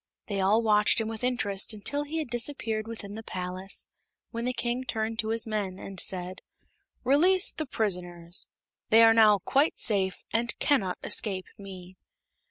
They all watched him with interest until he had disappeared within the palace, when the King turned to his men and said: "Release the prisoners. They are now quite safe, and cannot escape me."